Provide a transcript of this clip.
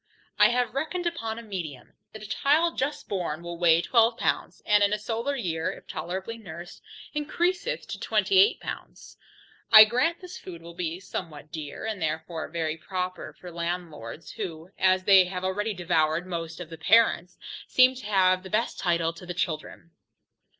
I have reckoned upon a medium, that a child just born will weigh 12 pounds, and in a solar year, if tolerably nursed, encreaseth to 28 pounds. I grant this food will be somewhat dear, and therefore very proper for landlords, who, as they have already devoured most of the parents, seem to have the best title to the children.